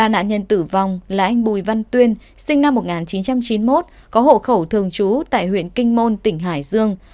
ba nạn nhân tử vong là anh bùi văn tuyên sinh năm một nghìn chín trăm chín mươi một có hộ khẩu thường trú tại huyện kinh môn tỉnh hải dương